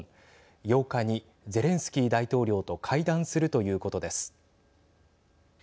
８日にゼレンスキー大統領と会談するということです。